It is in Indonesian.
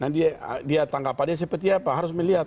nanti dia tanggap pada seperti apa harus melihat